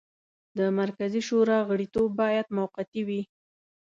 د مرکزي شورا غړیتوب باید موقتي وي.